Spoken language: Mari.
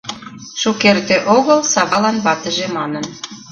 Шукерте огыл Савалан ватыже манын: